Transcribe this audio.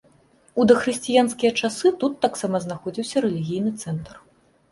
У дахрысціянскія часы тут таксама знаходзіўся рэлігійны цэнтр.